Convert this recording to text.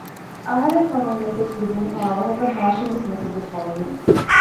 އަހަރެން ފޮނުވި މެސެޖް ލިބުނުހާ އަވަހަކަށް ހާޝިމްވެސް މެސެޖެއް ފޮނުވި